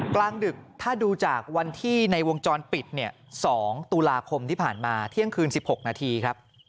กลางดึกถ้าดูจากวันที่ในวงจรปิดเนี่ย๒ตุลาคมที่ผ่านมาเที่ยงคืน๑๖นาทีครับ